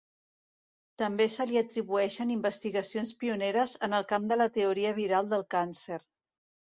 També se li atribueixen investigacions pioneres en el camp de la teoria viral del càncer.